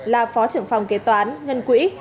là phó trưởng phòng kế toán ngân quỹ